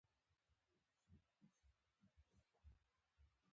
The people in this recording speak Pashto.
غرمه د نفسونو آرامي ده